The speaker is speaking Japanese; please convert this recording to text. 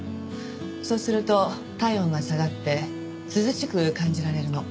そうすると体温が下がって涼しく感じられるの。